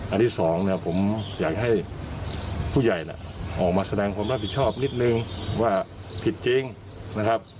ที่สองเนี่ยผมอยากให้ผู้ใหญ่ออกมาแสดงความรับผิดชอบนิดนึงว่าผิดจริงนะครับ